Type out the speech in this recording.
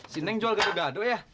cineng jual gado gado ya